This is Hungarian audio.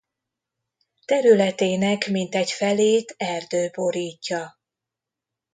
Területének mintegy felét erdő borítja.